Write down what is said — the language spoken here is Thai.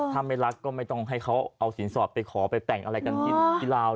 ถ้าไม่รักก็ไม่ต้องให้เขาเอาสินสอดไปขอไปแต่งอะไรกันกินที่ลาว